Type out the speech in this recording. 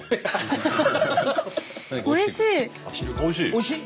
おいしい？